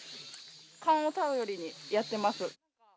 勘を頼りにやってます。